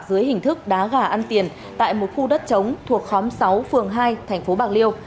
dưới hình thức đá gà ăn tiền tại một khu đất trống thuộc khóm sáu phường hai tp bạc liêu